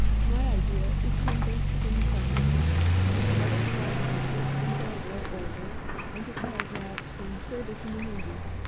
"My idea is to invest it in the Funds, and to let it thrive at interest, until I grow older, and retire perhaps from service in the Navy.